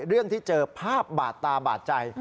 เรื่องที่เจอภาพบาดตาบาดใจ